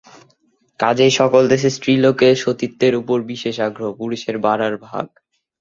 কাজেই সকল দেশে স্ত্রীলোকের সতীত্বের উপর বিশেষ আগ্রহ, পুরুষের বাড়ার ভাগ।